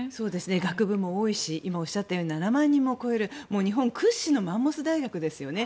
学部も多いし今、おっしゃったように７万人を超える、日本屈指のマンモス大学ですよね。